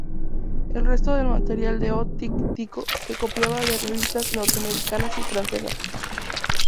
El resto del material de O Tico-Tico se copiaba de revistas norteamericanas y francesas.